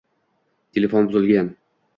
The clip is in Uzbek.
Telefon buzilgan.